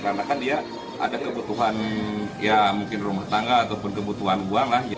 karena dia ada kebutuhan rumah tangga atau kebutuhan uang